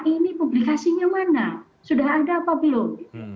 ini publikasinya mana sudah ada apa belum